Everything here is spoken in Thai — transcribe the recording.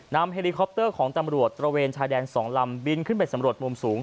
เฮลิคอปเตอร์ของตำรวจตระเวนชายแดน๒ลำบินขึ้นไปสำรวจมุมสูง